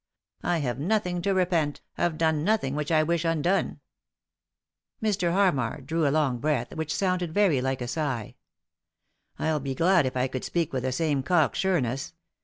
I have nothing to repent ; have done nothing which I wish undone." Mr. Harmar drew a long breath which sounded very like a sigh. " I'd be glad if I could speak with the same cock sureness.